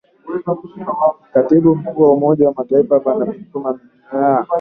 Katibu Mkuu wa Umoja wa Mataifa Ban Ki Moon amesemma